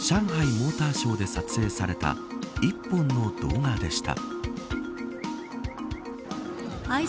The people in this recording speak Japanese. モーターショーで撮影された１本の動画でした。